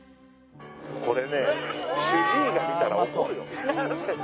これね主治医が見たら怒るよ。